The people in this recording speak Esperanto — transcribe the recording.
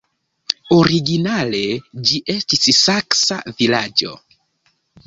Originale ĝi estis saksa vilaĝo.